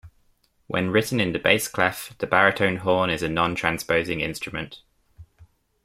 When written in the bass clef, the baritone horn is a non-transposing instrument.